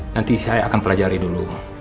nanti saya akan pelajari dulu